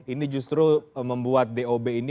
ini justru membuat dob ini